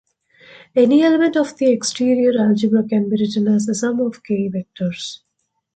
Any element of the exterior algebra can be written as a sum of "k"-vectors.